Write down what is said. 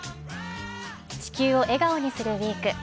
「地球を笑顔にするＷＥＥＫ」